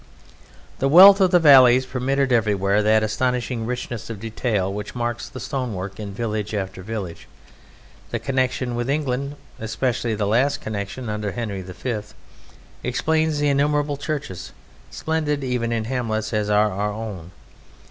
The wealth of the valleys permitted everywhere that astonishing richness of detail which marks the stonework in village after village; the connexion with England, especially the last connexion under Henry V, explains the innumerable churches, splendid even in hamlets as are our own.